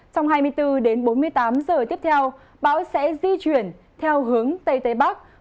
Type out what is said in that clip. trong hai mươi bốn đến bốn mươi tám giờ tiếp theo bão sẽ di chuyển theo hướng tây tây bắc